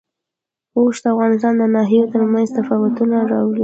اوښ د افغانستان د ناحیو ترمنځ تفاوتونه راولي.